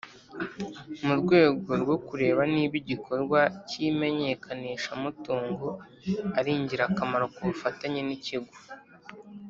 Mu rwego rwo kureba niba igikorwa cy imenyekanishamutungo ari ingirakamaro ku bufatanye n ikigo